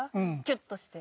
キュっとして。